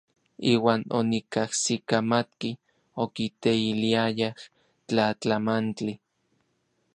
Iuan onikajsikamatki okiteiliayaj tlatlamantli.